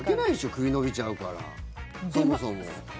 首伸びちゃうから、そもそも。